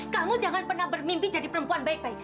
kamu jangan pernah bermimpi jadi perempuan baik baik